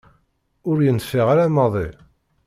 Ur yenfiɛ ara maḍi.